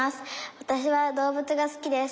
わたしは動物が好きです。